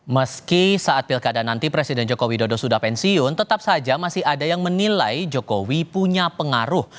meski saat pilkada nanti presiden joko widodo sudah pensiun tetap saja masih ada yang menilai jokowi punya pengaruh